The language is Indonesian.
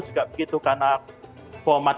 juga begitu karena format